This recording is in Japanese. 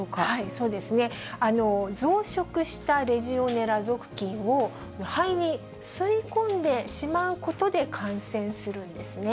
増殖したレジオネラ属菌を、肺に吸い込んでしまうことで感染するんですね。